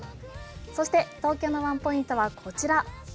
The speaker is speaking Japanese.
そして東京のワンポイントはこちら。